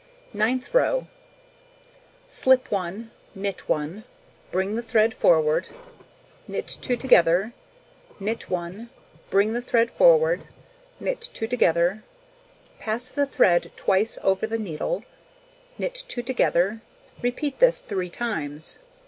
Ninth row: Slip 1, knit 1, bring the thread forward, knit 2 together, knit 1, bring the thread forward, knit 2 together, pass the thread twice over the needle, knit 2 together. Repeat this 3 times.